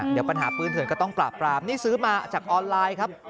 เดี๋ยวปัญหาปืนเถื่อนก็ต้องปราบปรามนี่ซื้อมาจากออนไลน์ครับ